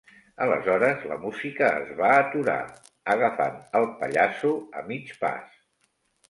Aleshores la música es va aturar, agafant al pallasso a mig pas.